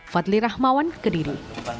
fadli rahmawan kediri